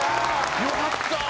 よかった。